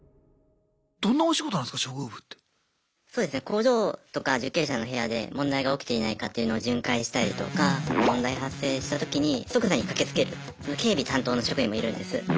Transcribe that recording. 工場とか受刑者の部屋で問題が起きていないかっていうのを巡回したりとか問題発生したときに即座に駆けつける警備担当の職員もいるんです。